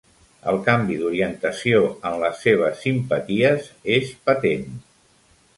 El canvi d'orientació en les seves simpaties és patent.